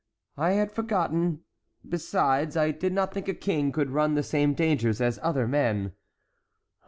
I had forgotten; besides, I did not think a king could run the same dangers as other men."